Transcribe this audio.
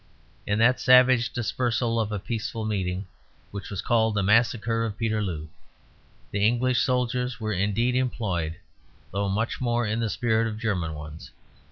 In that savage dispersal of a peaceful meeting which was called the Massacre of Peterloo, English soldiers were indeed employed, though much more in the spirit of German ones.